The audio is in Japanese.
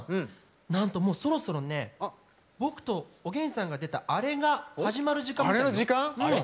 なんともうそろそろね僕とおげんさんが出たあれが始まる時間みたいよ。